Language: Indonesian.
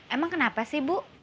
emang kenapa sih bu